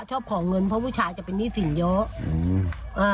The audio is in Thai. ชอบของเงินเพราะผู้ชายจะเป็นหนี้สินเยอะ